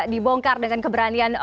dibongkar dengan keberanian